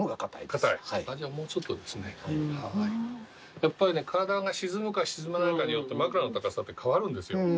やっぱりね体が沈むか沈まないかによって枕の高さって変わるんですよ。